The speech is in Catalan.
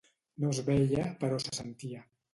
No es veia, però se sentia.